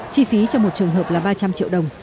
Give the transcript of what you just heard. chi phí cho một trường hợp là ba trăm linh triệu đồng